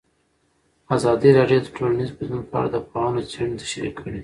ازادي راډیو د ټولنیز بدلون په اړه د پوهانو څېړنې تشریح کړې.